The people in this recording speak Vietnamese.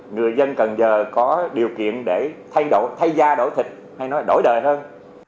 người dân cần giờ có điều kiện để thay gia đổi thịt hay nói là đổi đời hơn